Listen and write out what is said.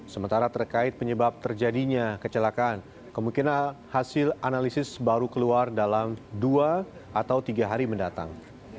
sementara terkait penyebab terjadinya kecelakaan kemungkinan hasil analisis baru keluar dalam dua atau tiga hari mendatang